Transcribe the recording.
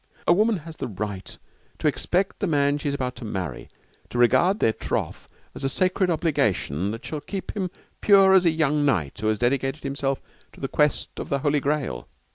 'A woman has the right to expect the man she is about to marry to regard their troth as a sacred obligation that shall keep him as pure as a young knight who has dedicated himself to the quest of the Holy Grail.